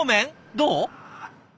どう？